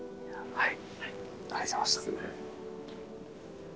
はい。